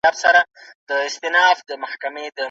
تخلیقي ادب د ادئب د ذهن او فکر زېږنده وي.